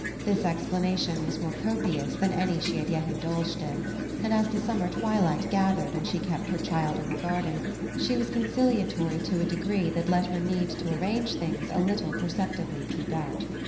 This explanation was more copious than any she had yet indulged in, and as the summer twilight gathered and she kept her child in the garden she was conciliatory to a degree that let her need to arrange things a little perceptibly peep out.